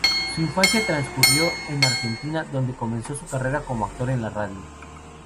Su infancia transcurrió en Argentina, donde comenzó su carrera como actor en la radio.